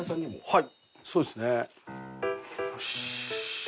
はいそうですね。よし。